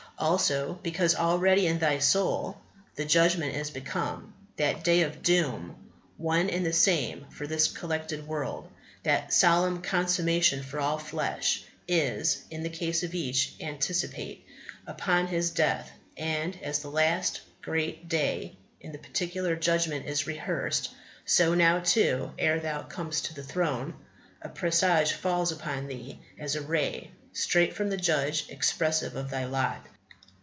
Also, because already in thy soul The judgment is begun. That day of doom, One and the same for this collected world That solemn consummation for all flesh, Is, in the case of each, anticipate Upon his death; and, as the last great day In the particular judgment is rehearsed, So now, too, ere thou comest to the Throne, A presage falls upon thee, as a ray Straight from the Judge, expressive of thy lot.